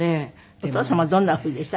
お父様はどんな風でした？